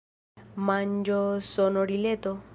Manĝosonorileto.